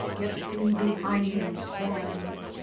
Get thee behind me, swine!